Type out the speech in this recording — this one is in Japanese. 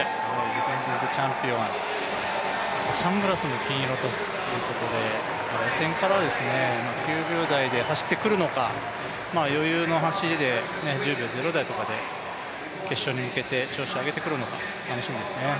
ディフェンディングチャンピオン、サングラスも金色ですし９秒台で走ってくるのか、余裕の走りで１０秒０台とかで決勝に向けて調子を上げてくるのか楽しみですね。